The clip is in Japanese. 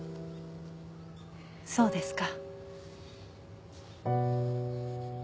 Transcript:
そうですか。